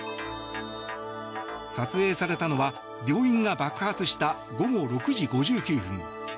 撮影されたのは病院が爆発した午後６時５９分。